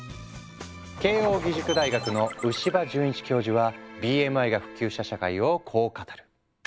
慶應義塾大学の牛場潤一教授はＢＭＩが普及した社会をこう語る。